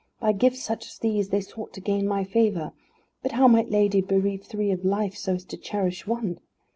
By gifts such as these they sought to gain my favour, but how might lady bereave three of life, so as to cherish one.